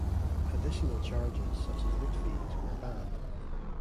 Additional charges such as late fees were banned.